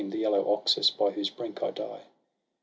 The yellow Oxus, by whose brink I die.'